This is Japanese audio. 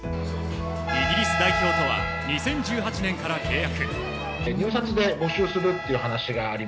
イギリス代表とは２０１８年から契約。